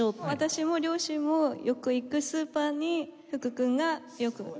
私も両親もよく行くスーパーに福君がよく。